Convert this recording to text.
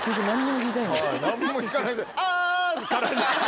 何も弾かないで「あ」。